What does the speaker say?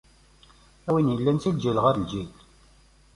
A win yellan si lǧil ɣer lǧil!